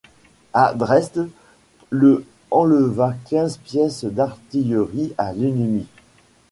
À Dresde, le enleva quinze pièces d'artillerie à l'ennemi.